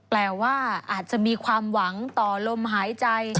แปลว่าอาจจะมีความหวังต่อลมหายใจ